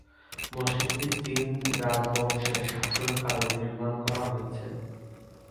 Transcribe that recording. মসজিদটি চিং রাজবংশের শাসনকালে নির্মাণ করা হয়েছে।